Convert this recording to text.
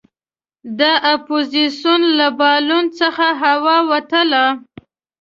د اپوزیسون له بالون څخه هوا ووتله.